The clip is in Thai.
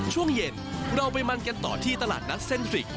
ช่วงเย็นเราไปมั่นกันต่อที่ตลาดนัดส่วนมะม่วง